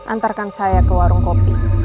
antarkan saya ke warung kopi